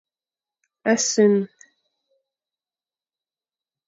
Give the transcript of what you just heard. A sen.